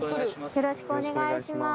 よろしくお願いします。